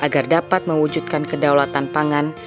terdapat mewujudkan kedaulatan pangan